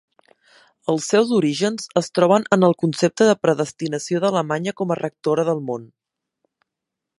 Els seus orígens es troben en el concepte de predestinació d'Alemanya com rectora del món.